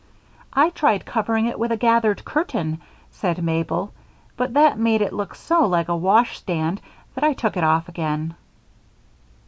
"I tried covering it with a gathered curtain," said Mabel, "but that made it look so like a washstand that I took it off again."